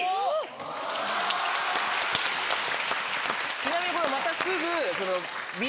ちなみにまたすぐ。